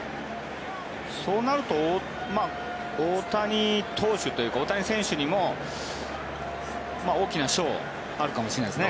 そうなると大谷投手というか大谷選手にも大きな賞があるかもしれないですね。